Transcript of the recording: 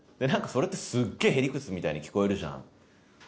なんかそれってすっげえへりくつみたいに聞こえるじゃん。